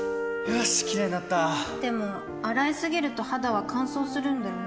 よしキレイになったでも、洗いすぎると肌は乾燥するんだよね